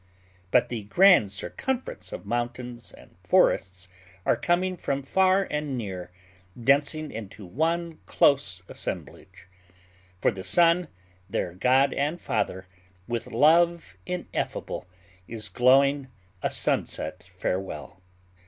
But the grand circumference of mountains and forests are coming from far and near, densing into one close assemblage; for the sun, their god and father, with love ineffable, is glowing a sunset farewell.